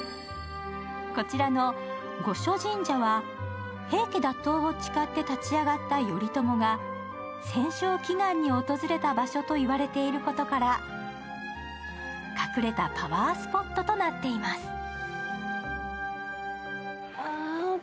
こちらの五所神社は、平家打倒を誓って立ち上がった頼朝が戦勝祈願に訪れた場所と言われていることから隠れたパワースポットとなっています。